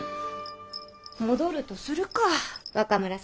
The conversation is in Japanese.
戻るとするか若紫。